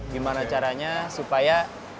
gimana caranya supaya